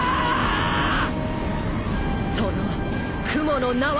その雲の名は。